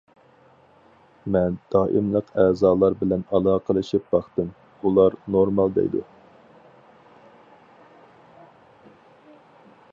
مەن دائىملىق ئەزالار بىلەن ئالاقىلىشىپ باقتىم، ئۇلار نورمال دەيدۇ.